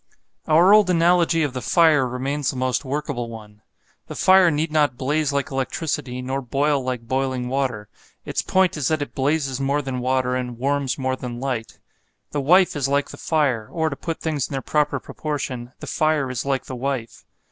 Our old analogy of the fire remains the most workable one. The fire need not blaze like electricity nor boil like boiling water; its point is that it blazes more than water and warms more than light. The wife is like the fire, or to put things in their proper proportion, the fire is like the wife.